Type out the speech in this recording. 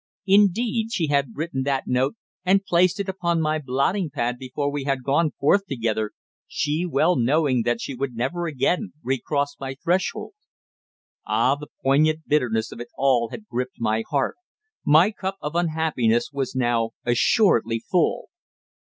Indeed, she had written that note and placed it upon my blotting pad before we had gone forth together, she well knowing that she would never again re cross my threshold. Ah! The poignant bitterness of it all had gripped my heart. My cup of unhappiness was now assuredly full.